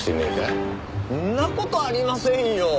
んな事ありませんよ。